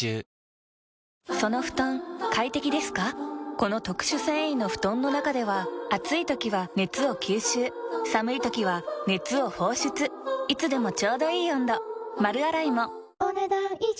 この特殊繊維の布団の中では暑い時は熱を吸収寒い時は熱を放出いつでもちょうどいい温度丸洗いもお、ねだん以上。